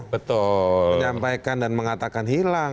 menyampaikan dan mengatakan hilang